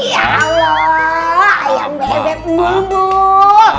ya allah ayang bebek mulbul